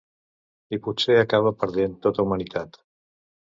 I potser acaba perdent tota humanitat.